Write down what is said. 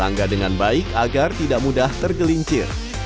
tangga dengan baik agar tidak mudah tergelincir